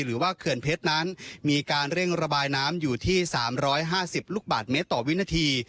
เขื่อนเพชรนั้นมีการเร่งระบายน้ำอยู่ที่๓๕๐ลูกบาทเมตรต่อวินาที